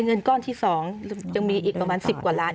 เงินก้อนที่๒ยังมีอีกประมาณ๑๐กว่าล้าน